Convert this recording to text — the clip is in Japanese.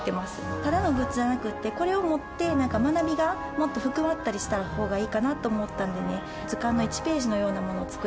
ただのグッズじゃなくってこれを持って学びがもっと深まったりした方がいいかなと思ったんでね